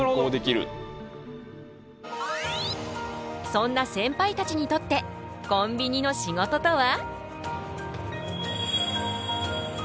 そんなセンパイたちにとってコンビニの仕事とは？